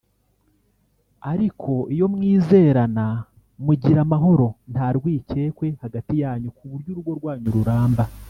ariko iyo mwizerana mugira amahoro nta rwikekwe hagati yanyu ku buryo urugo rwanyu ruramba